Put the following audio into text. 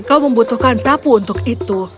kau membutuhkan sapu untuk itu